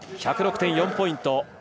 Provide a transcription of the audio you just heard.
１０６．４ポイント。